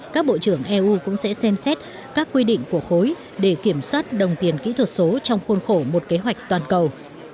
các bộ trưởng eu cũng sẽ xem xét các quy định của khối để kiểm soát đồng tiền kỹ thuật số trong khuôn khổ một kế hoạch toàn cầu